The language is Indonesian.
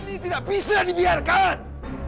ini tidak bisa dibiarkan